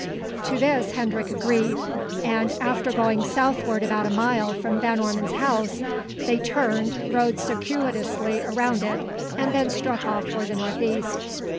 To this Hendrik agreed; and, after going southward about a mile from Van Ormon's house, they turned, rode circuitously around it, and then struck off for the north east.